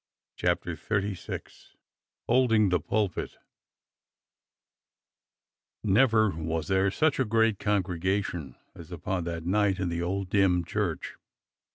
CHAPTER XXXVI HOLDING THE PULPIT NEVER was there such a great congregation as upon that night in the old dim church.